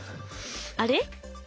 あれ？